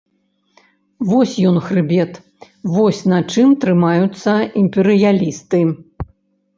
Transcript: Вось ён хрыбет, вось на чым трымаюцца імперыялісты.